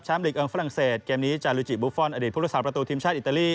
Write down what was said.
แชมพ์ลีกเอิงฟรั่งเศสเกมนี้จารุจิบูฟอลอดีตพวกศาสตร์ประตูทีมชาติอิตาลี